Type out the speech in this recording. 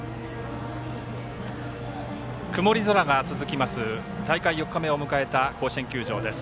曇り空が続きます大会４日目を迎えた甲子園球場です。